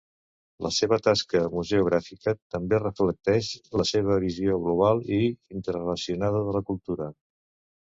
La seva tasca museogràfica també reflecteix la seva visió global i interrelacionada de la cultura.